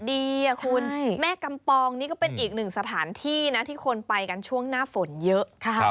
คุณแม่กำปองนี่ก็เป็นอีกหนึ่งสถานที่นะที่คนไปกันช่วงหน้าฝนเยอะ